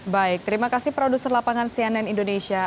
baik terima kasih produser lapangan cnn indonesia